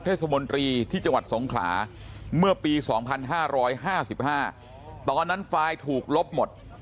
มนตรีที่จังหวัดสงขลาเมื่อปี๒๕๕๕ตอนนั้นไฟล์ถูกลบหมด